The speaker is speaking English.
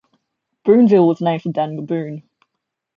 Boonville was named for Daniel Boone.